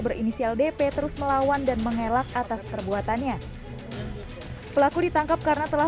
berinisial dp terus melawan dan mengelak atas perbuatannya pelaku ditangkap karena telah